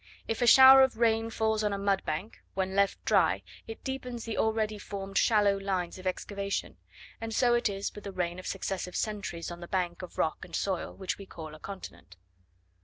If a shower of rain falls on the mud bank, when left dry, it deepens the already formed shallow lines of excavation; and so it is with the rain of successive centuries on the bank of rock and soil, which we call a continent.